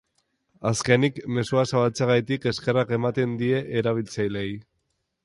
Azkenik, mezua zabaltzeagatik eskerrak ematen die erabiltzaileei.